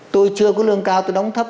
tôi chưa có lương cao tôi đóng thấp